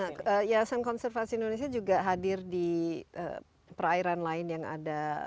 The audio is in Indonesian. nah ya san konservasi indonesia juga hadir di perairan lain yang ada